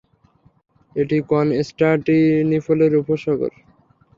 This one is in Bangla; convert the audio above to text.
এটি কনস্টান্টিনিপলের উপসাগর।